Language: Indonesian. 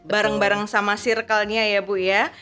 bareng bareng sama circle nya ya bu ya